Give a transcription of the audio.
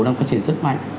đang phát triển rất mạnh